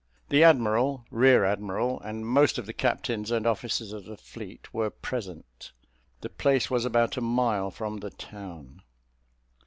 The admiral, rear admiral, and most of the captains and officers of the fleet were present; the place was about a mile from the town.